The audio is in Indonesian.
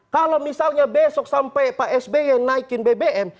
kalau misalnya besok sampai pak sby naikin bbm